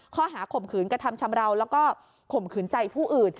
ข่มขืนกระทำชำราวแล้วก็ข่มขืนใจผู้อื่น